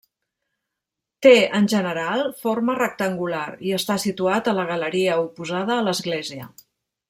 Té, en general, forma rectangular, i està situat a la galeria oposada a l'església.